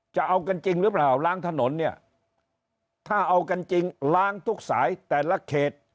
จะเอากันจริงหรือเปล่าล้างถนนเนี่ยถ้าเอากันจริงล้างทุกสายแต่ละเขต